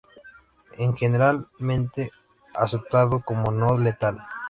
Es generalmente aceptado como no-letal.